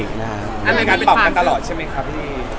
อันไหนอ้ายการปรับกันตลอดใช่มึยครับพี่